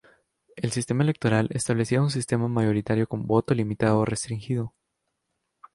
El sistema electoral establecía un sistema mayoritario con voto limitado o restringido.